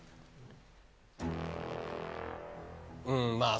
うんまあ